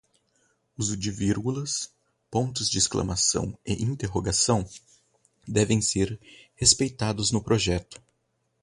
Uso de vírgulas, pontos de exclamação e interrogação devem ser respeitados no projeto